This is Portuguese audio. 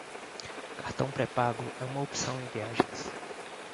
Cartão pré-pago é uma opção em viagens